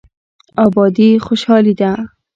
ابادي خوشحالي ده.